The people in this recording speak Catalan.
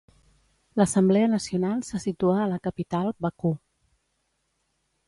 L'Assemblea Nacional se situa a la capital Bakú.